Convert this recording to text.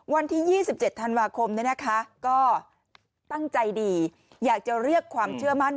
วันที่๒๗ธันวาคมก็ตั้งใจดีอยากจะเรียกความเชื่อมั่น